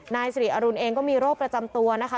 นายสิริอรุณเองก็มีโรคประจำตัวนะคะ